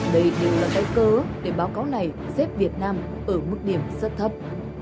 đây đều là cái cơ để báo cáo này xếp việt nam ở mức điểm rất thấp